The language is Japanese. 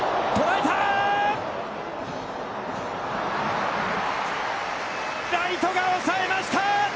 ライトが抑えました！